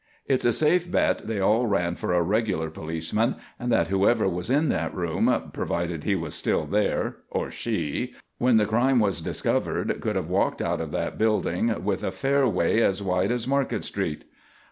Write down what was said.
It's a safe bet they all ran for a regular policeman, and that whoever was in that room provided he was still there, or she when the crime was discovered could have walked out of that building with a fair way as wide as Market Street."